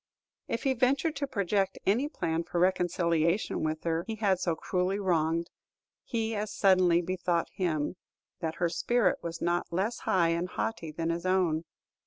If he ventured to project any plan for reconciliation with her he had so cruelly wronged, he as suddenly bethought him that her spirit was not less high and haughty than his own.